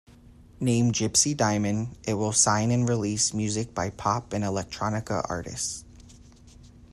Named Gypsey Diamond, it will sign and release music by pop and electronica artists.